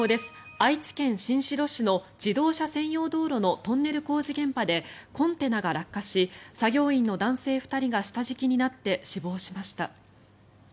愛知県新城市の自動車専用道路のトンネル工事現場でコンテナが落下し作業員の男性２人が下敷きになって死亡しました。